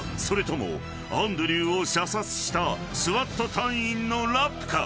［それともアンドリューを射殺したＳＷＡＴ隊員のラップか？］